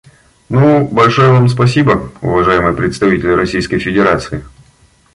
Ну, большое Вам спасибо, уважаемый представитель Российской Федерации.